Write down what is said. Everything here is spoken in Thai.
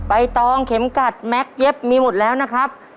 ตองเข็มกัดแม็กซ์เย็บมีหมดแล้วนะครับ